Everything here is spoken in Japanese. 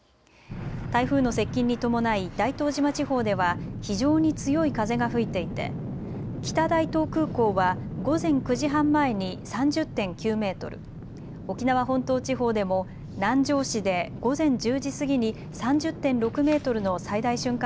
台風の接近に伴い大東島地方では非常に強い風が吹いていて北大東空港は午前９時半前に３０．９メートル、沖縄本島地方でも南城市で午前１０時過ぎに３０．６メートルの最大瞬間